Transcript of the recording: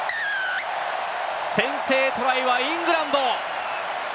先制トライはイングランド！